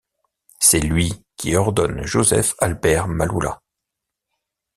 C'est lui qui ordonne Joseph-Albert Malula.